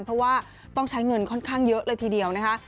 เพราะว่าต้องใช้เงินค่อนข้างเยอะเลยทีเดียวนะคะ